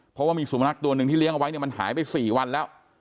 เพราะว่ามีสุนัขตัวหนึ่งที่เลี้ยงเอาไว้เนี่ยมันหายไป๔วันแล้ว